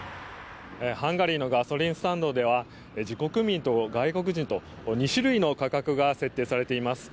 ハンガリーのガソリンスタンドでは自国民と外国人と２種類の価格が設定されています。